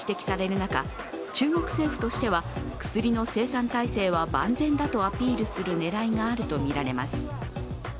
中中国政府としては薬の生産体制は万全だとアピールする狙いがあるとみられます。